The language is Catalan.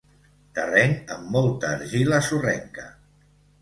Terreny amb molta argila sorrenca.